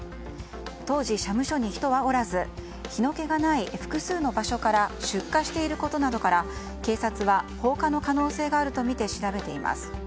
当時、社務所に人はおらず火の気がない複数の場所から出火していることなどから警察は放火の可能性があるとみて調べています。